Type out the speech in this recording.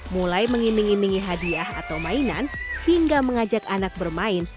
mulai mengiming imingi hadiah atau mainan hingga mengajak anak bermain